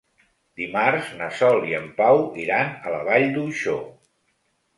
Dimarts na Sol i en Pau iran a la Vall d'Uixó.